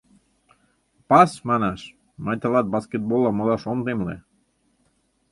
«Пас» манаш, мый тылат баскетболла модаш ом темле.